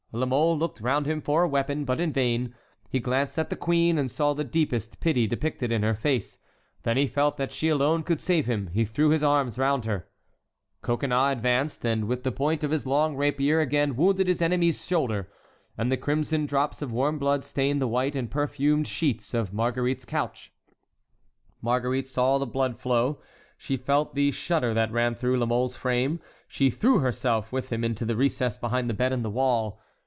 La Mole looked round him for a weapon, but in vain; he glanced at the queen, and saw the deepest pity depicted in her face; then he felt that she alone could save him; he threw his arms round her. Coconnas advanced, and with the point of his long rapier again wounded his enemy's shoulder, and the crimson drops of warm blood stained the white and perfumed sheets of Marguerite's couch. Marguerite saw the blood flow; she felt the shudder that ran through La Mole's frame; she threw herself with him into the recess between the bed and the wall.